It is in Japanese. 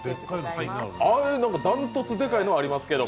断トツ、デカイのがありますけど。